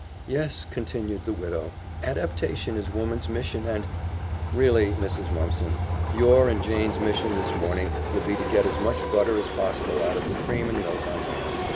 "Yes," continued the widow, "adaptation is woman's mission and " "Really, Mrs. Mumpson, your and Jane's mission this morning will be to get as much butter as possible out of the cream and milk on hand.